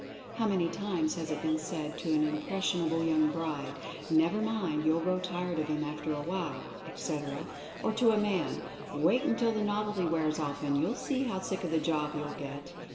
How many times has it been said to an impressionable young bride, "Never mind, you'll grow tired of him after a while," etc. Or to a man, "Wait until the novelty wears off and you'll see how sick of the job you'll get."